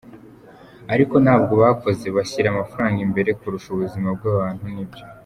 Ariko ntabyo bakoze, bashyira amafaranga imbere kurusha ubuzima bw’abantu ni byo.